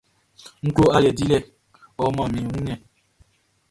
N klo aliɛ dilɛ naan ɔ mʼan mi ɲan wunmiɛn.